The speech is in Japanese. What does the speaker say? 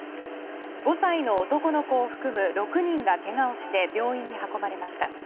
５歳の男の子を含む６人がけがをして病院に運ばれました。